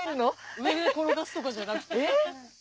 上で転がすとかじゃなくて？